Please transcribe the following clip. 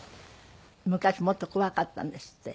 昔もっと怖かったんですって。